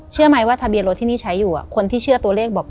เชื่อไหมว่าทะเบียนรถที่นี่ใช้อยู่คนที่เชื่อตัวเลขบอก